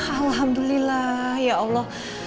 alhamdulillah ya allah